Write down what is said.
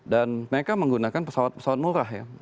dan mereka menggunakan pesawat pesawat murah ya